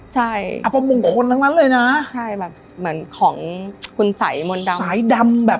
ใช่อัปมงคลทั้งนั้นเลยนะใช่แบบเหมือนของคุณสัยมนต์ดำสายดำแบบ